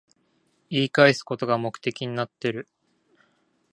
言い返すことが目的になってる